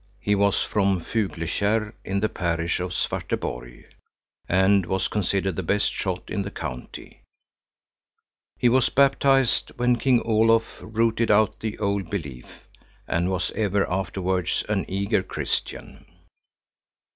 He was from Fuglekarr in the parish of Svarteborg, and was considered the best shot in the county. He was baptized when King Olof rooted out the old belief, and was ever afterwards an eager Christian.